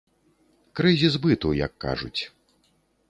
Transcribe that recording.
Крызіс быту, як кажуць.